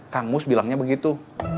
kang mus bilangnya begitu